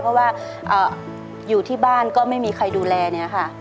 เพราะว่าอยู่ที่บ้านก็ไม่มีใครดูแลเนี่ยค่ะ